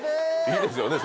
いいですよね